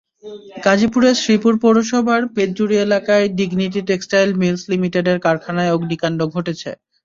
গাজীপুরের শ্রীপুর পৌরসভার বেতজুরী এলাকায় ডিগনিটি টেক্সটাইল মিলস্ লিমিটেডের কারখানায় অগ্নিকাণ্ড ঘটেছে।